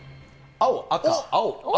青、赤、青、赤。